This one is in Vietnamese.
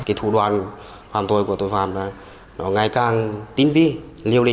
cái thủ đoàn phạm tội của tội phạm là nó ngày càng tinh vi liêu lị